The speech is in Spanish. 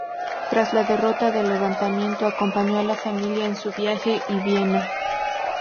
Tras la derrota del levantamiento, acompañó a la familia en su viaje a Viena.